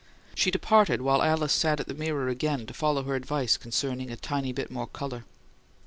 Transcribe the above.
She departed, while Alice sat at the mirror again, to follow her advice concerning a "tiny bit more colour."